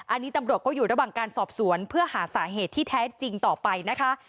อันนี้ตำรวจก็อยู่ระหว่างการสอบสวนเพื่อหาสาเหตุที่แท้จริงต่อไปนะคะ